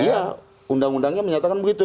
iya undang undangnya menyatakan begitu